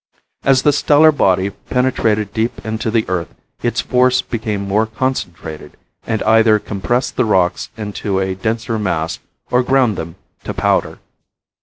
As the stellar body penetrated deeper into the earth its force became more concentrated and either compressed the rocks into a denser mass or ground them to powder.